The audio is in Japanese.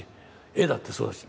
絵だってそうです。